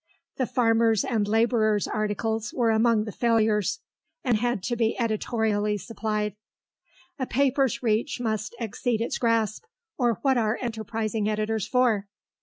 (The farmers' and labourers' articles were among the failures, and had to be editorially supplied.) A paper's reach must exceed its grasp, or what are enterprising editors for?